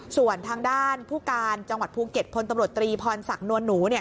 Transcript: ส่วนทางด้านผู้การจังหวัดภูเก็ตพลตำรวจตรีพรศักดิ์นวลหนูเนี่ย